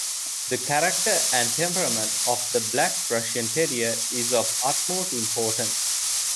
The character and temperament of the Black Russian Terrier is of utmost importance.